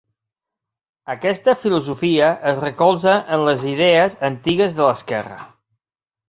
Aquesta filosofia es recolza en les idees antigues de l'esquerra.